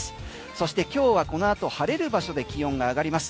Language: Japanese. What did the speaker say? そして今日はこの後晴れる場所で気温が上がります。